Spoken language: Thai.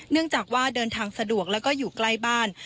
เนื่องจากว่าเดินทางสะดวกแล้วก็อยู่ใกล้บ้าน